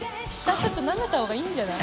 ちょっとなめたほうがいいんじゃない？